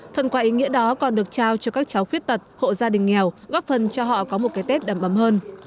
phần quà ý nghĩa đó còn được trao cho các cháu khuyết tật hộ gia đình nghèo góp phần cho họ có một cái tết đầm ấm hơn